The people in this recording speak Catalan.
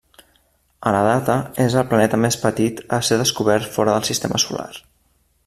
A la data, és el planeta més petit a ser descobert fora del sistema solar.